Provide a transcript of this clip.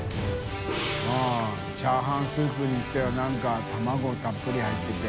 チャーハンスープにしては覆鵑卵たっぷり入ってて。